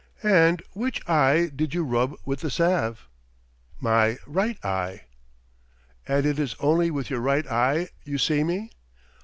"And which eye did you rub with the salve?" "My right eye." "And it is only with your right eye you see me?"